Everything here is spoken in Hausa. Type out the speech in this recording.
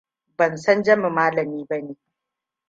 Ban san Jami malami ba ne.